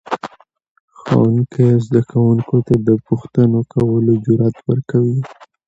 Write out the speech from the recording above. ښوونکی زده کوونکو ته د پوښتنو کولو جرأت ورکوي